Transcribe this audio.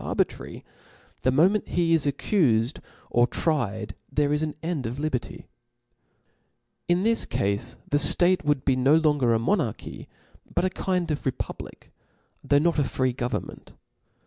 arbitrary, the moment he is accufedor tried, there is an end of liberty • In this cafe, the ftate would be no longer a mo narchy, but a kind of a republic, though not a free government.